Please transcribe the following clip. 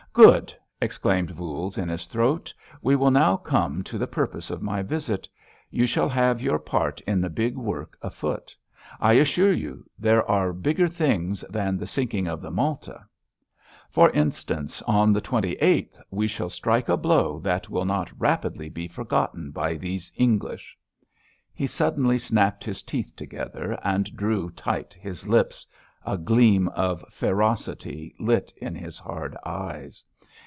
"Good!" exclaimed Voules in his throat. "We will now come to the purpose of my visit. You shall have your part in the big work afoot. I assure you there are bigger things than the sinking of the Malta! For instance, on the twenty eighth we shall strike a blow that will not rapidly be forgotten by these English!" He suddenly snapped his teeth together and drew tight his lips; a gleam of ferocity lit in his hard eyes.